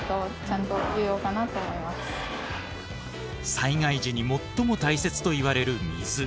災害時に最も大切といわれる水。